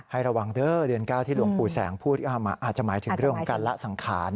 ให้ระวังเด้อเดือน๙ที่หลวงปู่แสงพูดอาจจะหมายถึงเรื่องของการละสังขาร